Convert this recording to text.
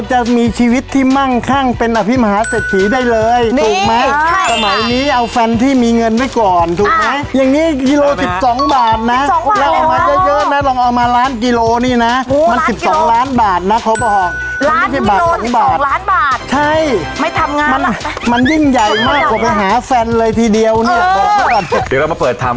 จากนั้นก็นำมาที่ร้าน